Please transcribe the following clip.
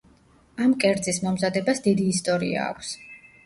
ამ კერძის მომზადებას დიდი ისტორია აქვს.